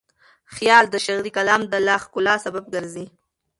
خیال د شعري کلام د لا ښکلا سبب ګرځي.